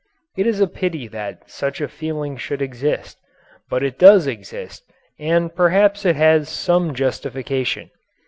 It is a pity that such a feeling should exist. But it does exist and perhaps it has some justification.